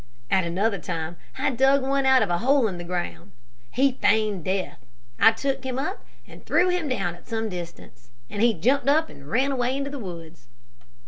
At another time I dug one out of a hole in the ground. He feigned death, I took him up and threw him down at some distance, and he jumped up and ran into the woods."